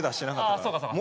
ああそうかそうか。